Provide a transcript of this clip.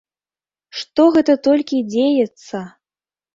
Што гэта толькі дзеецца!